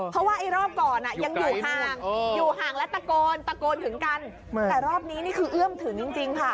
เพราะว่าไอ้รอบก่อนยังอยู่ห่างอยู่ห่างและตะโกนตะโกนถึงกันแต่รอบนี้นี่คือเอื้อมถึงจริงค่ะ